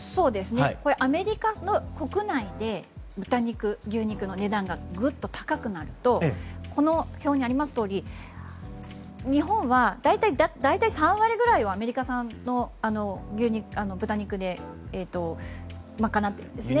アメリカの国内で豚肉、牛肉の値段がぐっと高くなるとこの表にありますとおり日本は大体３割ぐらいはアメリカ産の豚肉で賄っているんですね。